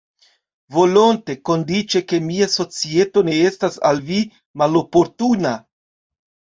Volonte, kondiĉe ke mia societo ne estas al vi maloportuna.